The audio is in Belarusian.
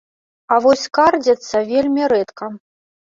А вось скардзяцца вельмі рэдка.